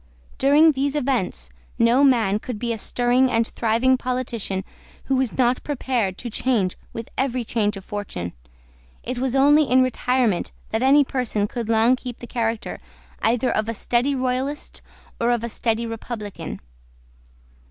During these events no man could be a stirring and thriving politician who was not prepared to change with every change of fortune. It was only in retirement that any person could long keep the character either of a steady Royalist or of a steady Republican.